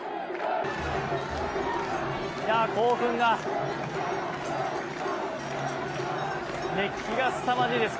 興奮が熱気がすさまじいです。